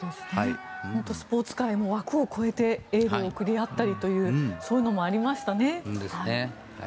本当にスポーツ界の枠を超えてエールを送り合ったりというそういうのもありましたね。